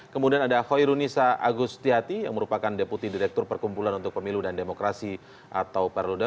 kemudian ada hoirunisa agustiati yang merupakan deputi direktur perkumpulan untuk pemilu dan demokrasi atau perludem